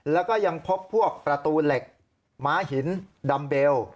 แล้วก็ยังพบพวกประตูเหล็กม้าหินดัมเบล